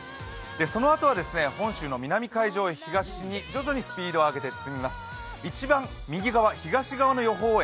そのあとは本州の南海上へ東に、徐々にスピードを上げて進みます、一番右側東側の予報円